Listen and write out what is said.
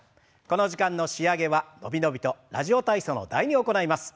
この時間の仕上げは伸び伸びと「ラジオ体操」の「第２」を行います。